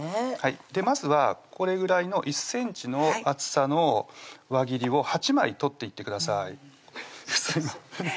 まずはこれぐらいの１ｃｍの厚さの輪切りを８枚取っていってください先生